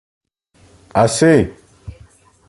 Assez !